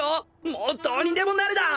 もうどうにでもなれだっ！